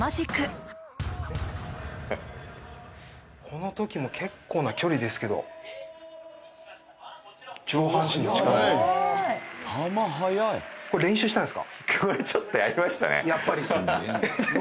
このときも結構な距離ですけど上半身の力で。